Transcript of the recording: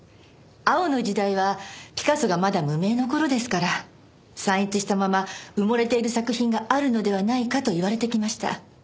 青の時代はピカソがまだ無名の頃ですから散逸したまま埋もれている作品があるのではないかと言われてきました。